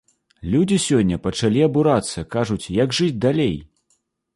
Людзі сёння пачалі абурацца, кажуць, як жыць далей?